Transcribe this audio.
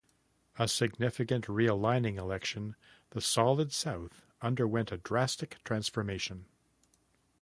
A significant realigning election, the Solid South underwent a drastic transformation.